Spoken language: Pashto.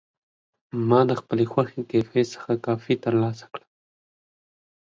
ما د خپلې خوښې کیفې څخه کافي ترلاسه کړه.